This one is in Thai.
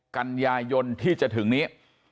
กันยายนที่จะถึงนี้